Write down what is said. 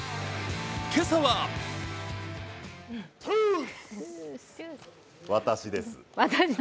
今朝は私です。